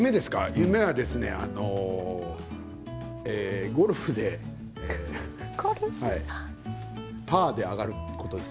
夢はゴルフでパーで上がることです。